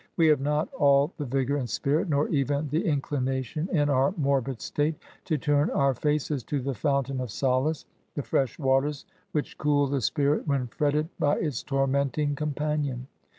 We have not all the vigour and spirit, — ^nor even the inclination, in our morbid state, to turn our faces to the fountain of solace — ^the fresh waters which cool the spirit wh^n fretted by its tormenting com panion.